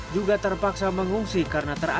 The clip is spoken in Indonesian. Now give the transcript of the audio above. juga terpaksa mengungsi karena terapi